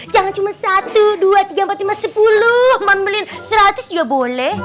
jangan cuma satu dua tiga empat lima sepuluh mambelin seratus juga boleh